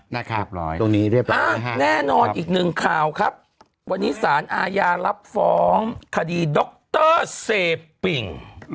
นะครับแน่นอนอีกหนึ่งข่าวครับวันนี้สารอาญารับฟ้องคดีดรเซปิ่ง